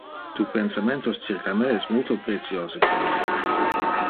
Tu pensamentos circa me es multo preciose pro me!